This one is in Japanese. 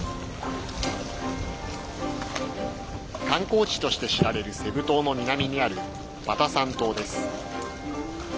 観光地として知られるセブ島の南にあるバタサン島です。